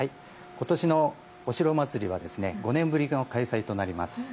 ことしのお城まつりは５年ぶりの開催となります。